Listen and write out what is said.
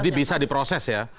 jadi bisa diproses ya